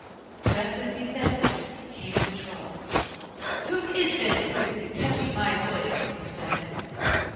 Just as he said this came the Troll. 'Who is that who is touching my wood?' he said.